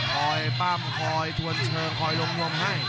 คอยปั้่มคอยคอยถวนเชิงคอยรวมให้